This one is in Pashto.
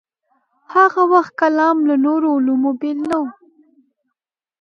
هاغه وخت کلام له نورو علومو بېل نه و.